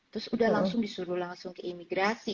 terus udah langsung disuruh langsung ke imigrasi